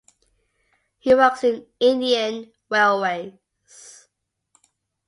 He works in Indian Railways.